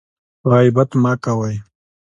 غیبت مه کوئ